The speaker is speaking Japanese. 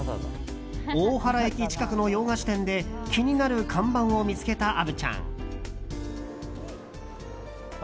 大原駅近くの洋菓子店で気になる看板を見つけた虻ちゃん。